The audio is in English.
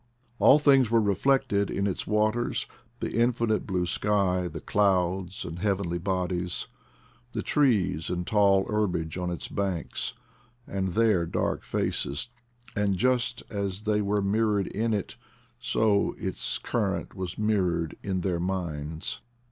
All things were reflected in its waters, the infinite blue sky, the clouds and heav enly bodies; the trees and tall herbage on its banks, and their dark faces ; and just as they were mirrored in it, so its current was mirrored in their minds.